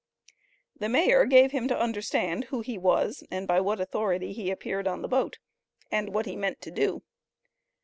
The mayor gave him to understand who he was, and by what authority he appeared on the boat, and what he meant to do.